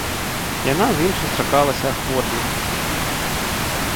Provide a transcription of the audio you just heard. Яна з ім сустракалася ахвотна.